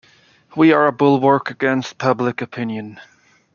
We are a bulwark against public opinion.